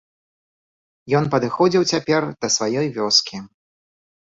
Ён падыходзіў цяпер да сваёй вёскі.